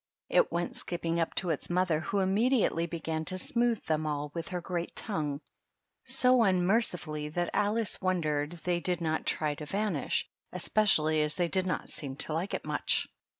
It went skipping up to its mother, who immediately began to smooth them all with her great tongue so unmercifiiUy that Alice wondered they did not try to vanish, especially as they did not seem to like it much.